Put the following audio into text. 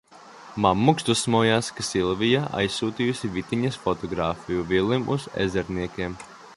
Mammuks dusmojās, ka Silvija aizsūtījusi Vitiņas fotogrāfiju Vilim uz Ezerniekiem.